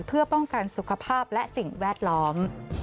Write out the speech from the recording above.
เพื่อป้องกันสุขภาพและสิ่งแวดล้อม